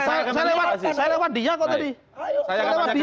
saya lewat dia kok tadi